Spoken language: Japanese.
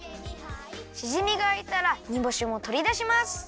しじみがあいたらにぼしもとりだします！